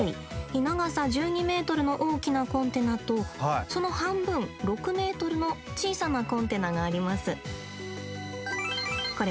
長さ１２ｍの大きなコンテナとその半分６ｍの小さなコンテナがあります。